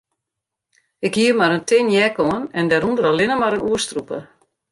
Ik hie mar in tin jack oan en dêrûnder allinnich mar in oerstrûper.